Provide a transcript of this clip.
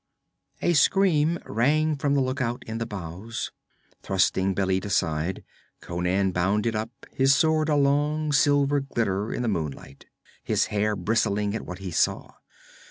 A scream rang from the lookout in the bows. Thrusting Bêlit aside, Conan bounded up, his sword a long silver glitter in the moonlight, his hair bristling at what he saw.